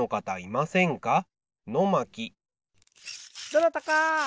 どなたか！